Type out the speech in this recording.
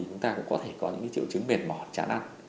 chúng ta cũng có thể có những triệu chứng mệt mỏi chán ăn